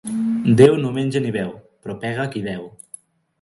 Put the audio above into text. Déu no menja ni beu, però paga a qui deu.